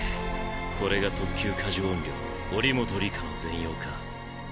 これが特級過呪怨霊祈本里香の全容か。